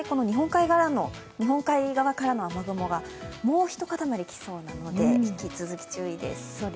埼玉県内ももう一回、日本海側からの雨雲がもう一塊来そうなので引き続き注意です。